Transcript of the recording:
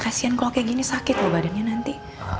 kasian kalau kayak gini sakit loh badannya nanti